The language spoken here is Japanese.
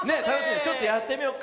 ちょっとやってみよっか。